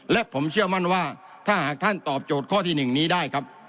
และผมเชื่อมั่นว่าถ้าหากท่านตอบโจทย์ข้อที่๑นี้ได้ครับ